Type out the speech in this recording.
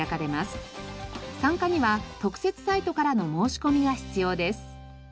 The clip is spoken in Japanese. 参加には特設サイトからの申し込みが必要です。